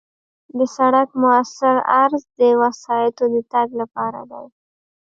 د سړک موثر عرض د وسایطو د تګ لپاره دی